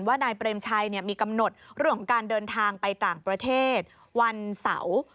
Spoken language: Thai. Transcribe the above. นายเปรมชัยมีกำหนดเรื่องของการเดินทางไปต่างประเทศวันเสาร์